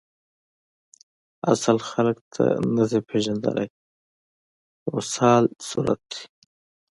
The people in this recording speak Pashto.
اصل خلک ته نسی پیژندلی کمسل صورت یی